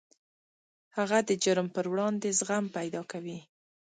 هغه د جرم پر وړاندې زغم پیدا کوي